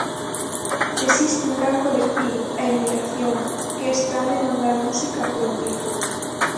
Existe un gran colectivo, a emigración, que está a demandar música propia.